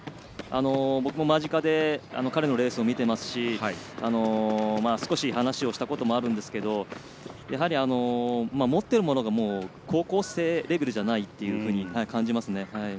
僕も間近で彼のレースを見ていますし少し話をしたこともあるんですがやはり、持っているものが高校生レベルじゃないと感じますね。